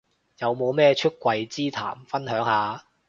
有冇咩出櫃之談分享下